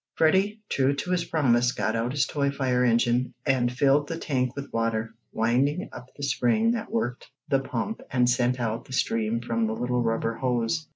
Freddie, true to his promise, got out his toy fire engine, and filled the tank with water, winding up the spring that worked the pump and sent out the stream from the little rubber hose.